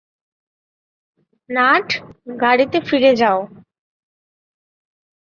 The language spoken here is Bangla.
নাট, গাড়িতে ফিরে যাও।